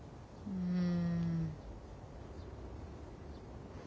うん。